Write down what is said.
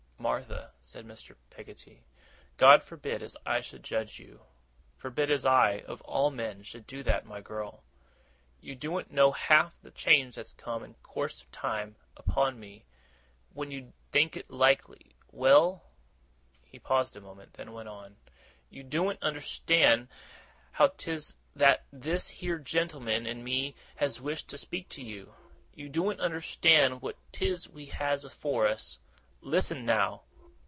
'Martha,' said Mr. Peggotty, 'God forbid as I should judge you. Forbid as I, of all men, should do that, my girl! You doen't know half the change that's come, in course of time, upon me, when you think it likely. Well!' he paused a moment, then went on. 'You doen't understand how 'tis that this here gentleman and me has wished to speak to you. You doen't understand what 'tis we has afore us. Listen now!